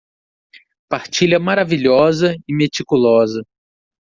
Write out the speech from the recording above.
Partilha maravilhosa e meticulosa